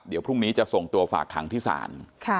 เดี๋ยวพรุ่งนี้จะส่งตัวฝากขังที่ศาล